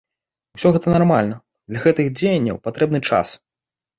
Усё гэта нармальна, для гэтых дзеянняў патрэбны час.